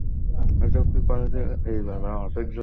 এসব কি কলেজে গিয়ে বানিয়েছো?